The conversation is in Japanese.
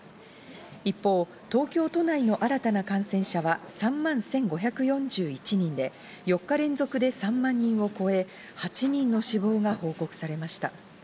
一方、東京都内の新たな感染者は、３万１５４１人で、４日連続で３万人を超え、８人の死亡が報告されました。